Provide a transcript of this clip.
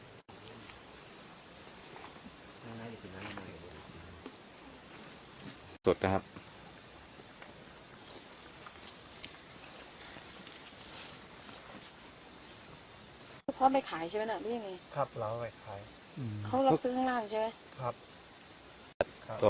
แคลร์ร่วมไหมอืมอ่าลุงตัวตาเลยอ่ะ